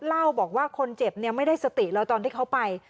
เล่าบอกว่าคนเจ็บไม่ได้สติแล้วตอนที่เขาไป